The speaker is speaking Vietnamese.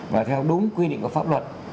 và theo đúng quy định của pháp luật